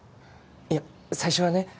いや最初はね